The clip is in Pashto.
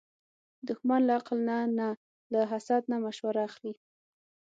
دښمن له عقل نه نه، له حسد نه مشوره اخلي